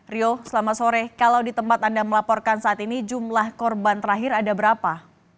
rio selamat sore kalau di tempat anda melaporkan saat ini jumlah korban terakhir ada berapa